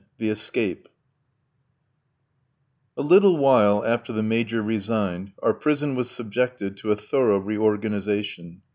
THE ESCAPE A little while after the Major resigned, our prison was subjected to a thorough reorganization.